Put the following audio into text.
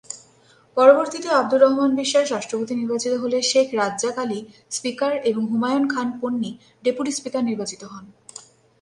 পরবর্তীতে আবদুর রহমান বিশ্বাস রাষ্ট্রপতি নির্বাচিত হলে শেখ রাজ্জাক আলী স্পিকার এবং হুমায়ুন খান পন্নী ডেপুটি স্পিকার নির্বাচিত হন।